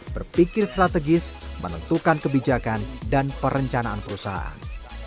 berpikir strategis menentukan kebijakan dan perencanaan perusahaan